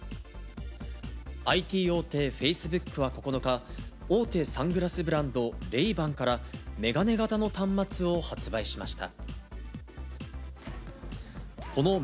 ＩＴ大手、フェイスブックは９日、大手サングラスブランド、レイバンから眼鏡型の端末を発売しました。